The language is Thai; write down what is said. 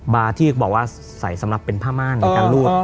บาร์ที่บอกว่าใส่สำหรับเป็นผ้ามารในการลูก